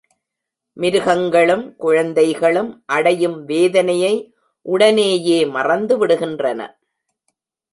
மிருகங்களும் குழந்தைகளும் அடையும் வேதனையை உடனேயே மறந்துவிடுகின்றன.